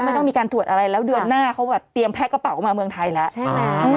ไม่ต้องมีการตรวจอะไรแล้วเดือนหน้าเขาแบบเตรียมแพะกระเป๋ามาเมืองไทยแล้วใช่ไหม